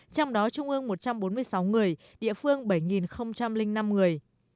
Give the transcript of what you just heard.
trong đó trung ương một trăm bốn mươi sáu người địa phương bảy năm người